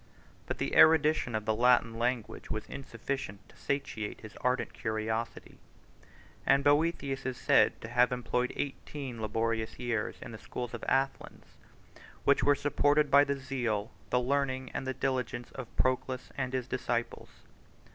But the erudition of the Latin language was insufficient to satiate his ardent curiosity: and Boethius is said to have employed eighteen laborious years in the schools of Athens, 91 which were supported by the zeal, the learning, and the diligence of Proclus and his disciples.